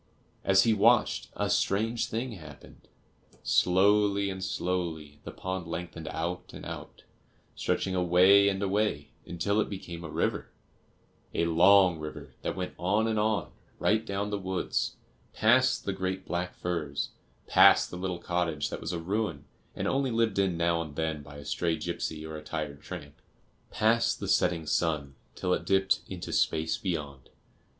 As he watched, a strange thing happened. Slowly and slowly the pond lengthened out and out, stretching away and away until it became a river a long river that went on and on, right down the woods, past the great black firs, past the little cottage that was a ruin and only lived in now and then by a stray gipsy or a tired tramp, past the setting sun, till it dipped into space beyond.